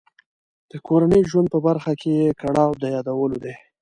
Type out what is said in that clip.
د کورني ژوند په برخه کې یې کړاو د یادولو دی.